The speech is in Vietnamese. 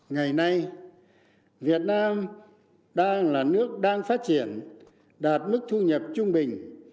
ngày nay việt nam đang là nước đang phát triển đạt mức thu nhập trung bình